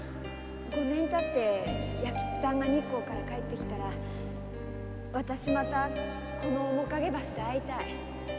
五年経って弥吉さんが日光から帰ってきたら私またこのおもかげ橋で会いたい〕